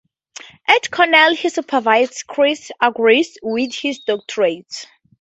At Cornell he supervised Chris Argyris with his doctorate.